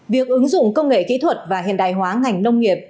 việc ứng dụng công nghệ kỹ thuật và hiện đại hóa ngành nông nghiệp